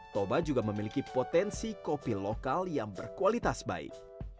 toba juga memiliki potensi kopi lokal yang berkualitas baik